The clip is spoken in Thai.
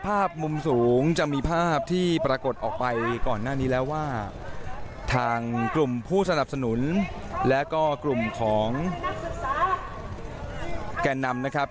ภาพมุมสูงจะมีภาพที่ปรากฏออกไปก่อนหน้านี้แล้วว่าทางกลุ่มผู้สนับสนุนและก็กลุ่มของแก่นนำนะครับ